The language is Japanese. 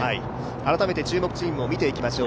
改めて注目チームを見ていきましょう。